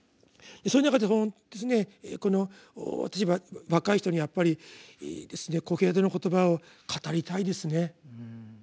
そういう中で私は若い人にやっぱり「コヘレトの言葉」を語りたいですね。